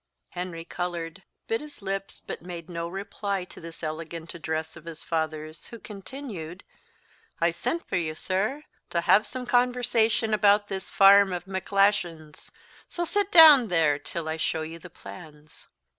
Henry coloured, bit his lips, but made no reply to this elegant address of his father's, who continued, "I sent for you, sir, to have some conversation about this farm of Macglashan's; so sit down there till I show you the plans."